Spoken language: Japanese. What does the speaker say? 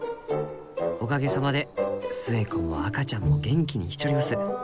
おかげさまで寿恵子も赤ちゃんも元気にしちょります。